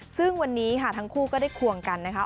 ซึ่งวันนี้ค่ะทั้งคู่ก็ได้ควงกันนะคะ